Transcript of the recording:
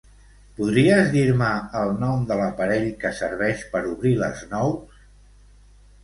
Podries dir-me el nom de l'aparell que serveix per obrir les nous?